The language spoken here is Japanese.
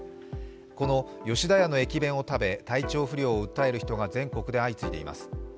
この吉田屋の駅弁を食べ体調不良を訴える人が全国で相次いでいます。